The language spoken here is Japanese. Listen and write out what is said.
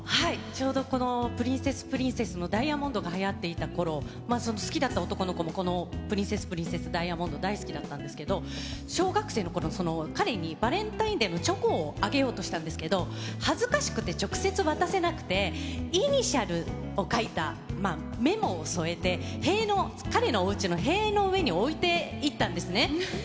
ちょうどこのプリンセスプリンセスのダイアモンドがはやっていたころ、好きだった男の子もこのプリンセスプリンセス、ダイアモンド、大好きだったんですけど、小学生のころ、彼にバレンタインデーにチョコをあげようとしたんですけど、恥ずかしくて直接渡せなくて、イニシャルを書いたメモを添えて、彼のおうちの塀の上に置いていったんですね。